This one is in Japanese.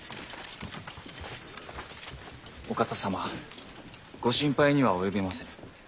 お方様ご心配には及びませぬ。